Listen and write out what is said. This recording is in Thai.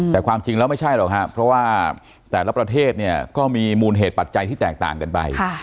แต่ความจริงแล้วไม่ใช่หรอกครับเพราะว่าแต่ละประเทศเนี่ยก็มีมูลเหตุปัจจัยที่แตกต่างกันไป